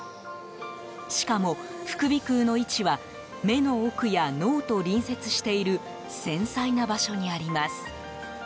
しかも、副鼻腔の位置は目の奥や脳と隣接している繊細な場所にあります。